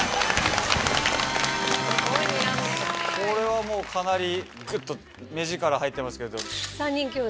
これはもうかなりグッと目力入ってますけど。